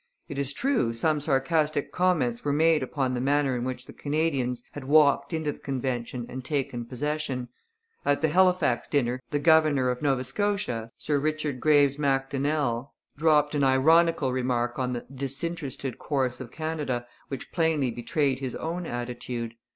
It is true, some sarcastic comments were made upon the manner in which the Canadians had walked into the convention and taken possession. At the Halifax dinner the governor of Nova Scotia, Sir Richard Graves Macdonnell, dropped an ironical remark on the 'disinterested' course of Canada, which plainly betrayed his own attitude.